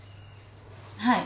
はい。